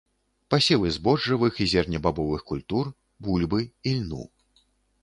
Пасевы збожжавых і зернебабовых культур, бульбы, ільну.